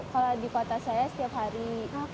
kalau di kota saya setiap hari